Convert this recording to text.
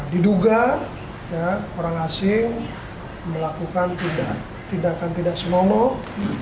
diduga orang asing melakukan tindakan tidak senonoh